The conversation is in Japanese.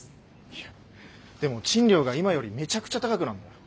いやでも賃料が今よりめちゃくちゃ高くなるんだよ。